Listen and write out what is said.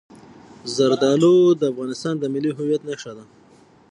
زردالو د افغانستان د ملي هویت نښه ده.